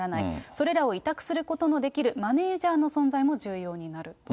それらを委託することのできるマネージャーの存在も重要になる。